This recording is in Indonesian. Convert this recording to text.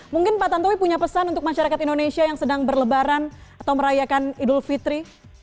mungkin pak tantowi punya pesan untuk masyarakat indonesia yang sedang berlebaran atau merayakan idul fitri